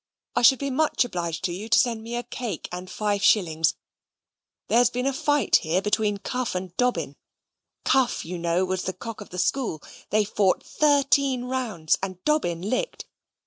I should be much obliged to you to send me a cake and five shillings. There has been a fight here between Cuff & Dobbin. Cuff, you know, was the Cock of the School. They fought thirteen rounds, and Dobbin Licked.